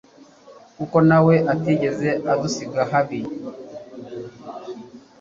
kuko na we atigeze adusiga ahabi